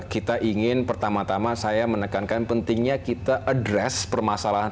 kita ingin pertama tama saya menekankan pentingnya kita addres permasalahan